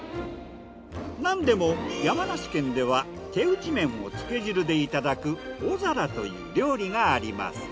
なんでも山梨県では手打ち麺をつけ汁でいただくおざらという料理があります。